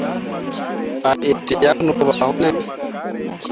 A itǝʼyakke no ɓa wune ?